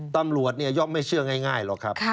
ตำรวจย่อมไม่เชื่อง่ายหรอกครับ